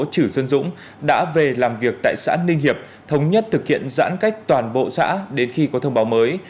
chử xuân dũng đã về làm việc tại xã ninh hiệp thống nhất thực hiện giãn cách toàn bộ xã đến khi có thông báo mới